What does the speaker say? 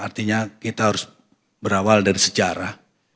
artinya kita harus berawal dari sejarah